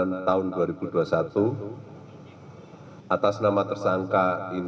atau tindakan setelah fast food